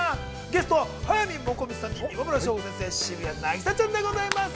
ゲストは、速水もこみちさんに今村翔吾先生、渋谷凪咲ちゃんでございます。